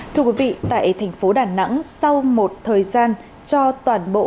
thưa quý vị tại thành phố đà nẵng sau một thời gian cho toàn bộ